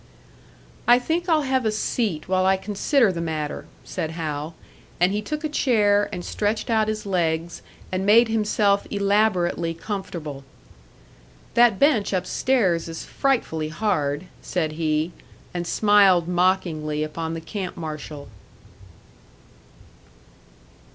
"I think I'll have a seat while I consider the matter," said Hal; and he took a chair, and stretched out his legs, and made himself elaborately comfortable. "That bench upstairs is frightfully hard," said he, and smiled mockingly upon the camp marshal.